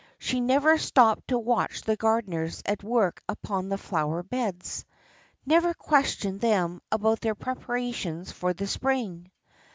She never stopped to watch the gardeners at work upon the flower beds, never questioned them about their preparations for the spring.